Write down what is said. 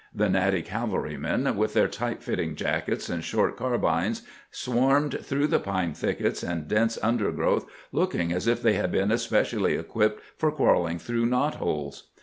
The natty cavalrymen, with their tight fitting jackets, and short carbines, swarmed through the pine thickets and dense under growth, looking as if they had been especially equipped for crawling through knot holes.